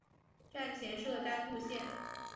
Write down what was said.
站前设单渡线。